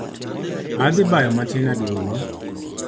Adhi bayo matin aduogo